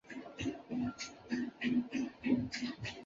华域克及洛达取得来届荷甲参赛席位。